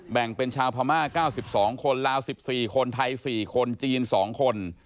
แบ่งเป็นชาวพม่า๙๒คนลาว๑๔คนไทย๔คนจีน๒คน